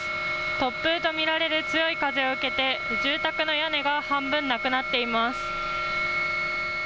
突風と見られる強い風を受けて住宅の屋根が半分なくなっています。